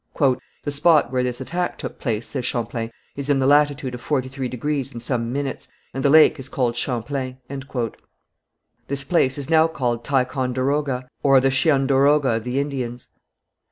"The spot where this attack took place," says Champlain, "is in the latitude of 43° and some minutes, and the lake is called Champlain." This place is now called Ticonderoga, or the Cheondoroga of the Indians.